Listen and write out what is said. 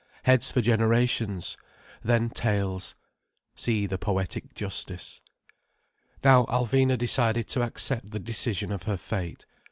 Heads for generations. Then tails. See the poetic justice. Now Alvina decided to accept the decision of her fate.